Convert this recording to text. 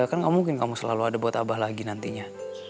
kan gak mungkin kamu selalu ada buat abah lagi nantinya